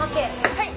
はい！